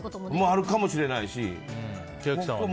あるかもしれないしね。